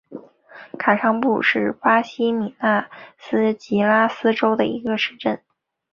卡尚布是巴西米纳斯吉拉斯州的一个市镇。